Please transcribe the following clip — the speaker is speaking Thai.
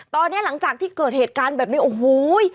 ตอนนี้หลังจากที่เกิดเหตุการณ์แบบนี้โอ้โห